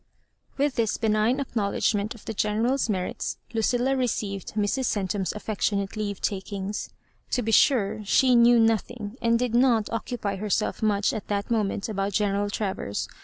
With this benign acknowledgment of the Ge neral's merits, Lucilla received Mrs. Centura's affectionate leavetakuiga To be sure, she knew nothing, and did not occupy herself much at that moment about General Travers.